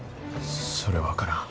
それは分からん。